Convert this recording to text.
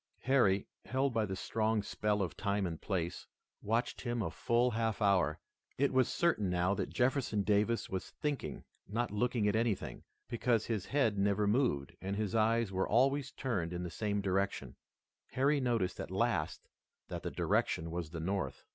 Harry, held by the strong spell of time and place, watched him a full half hour. It was certain now that Jefferson Davis was thinking, not looking at anything, because his head never moved, and his eyes were always turned in the same direction Harry noticed at last that the direction was the North.